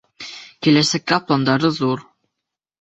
Киләсәккә пландары ҙур.